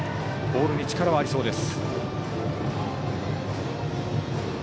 ボールに力はありそうです。